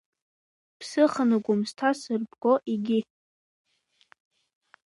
Бсыханы Гәымсҭа сырбго, егьи.